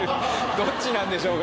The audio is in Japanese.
どっちなんでしょうか？